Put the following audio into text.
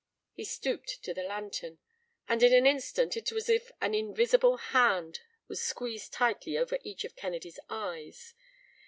He stooped to the lantern, and in an instant it was as if an invisible hand was squeezed tightly over each of Kennedy's eyes.